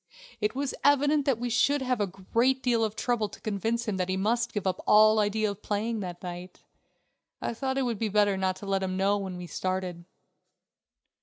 It was evident that we should have a great deal of trouble to convince him that he must give up all idea of playing that night. I thought it would be better not to let him know when we started.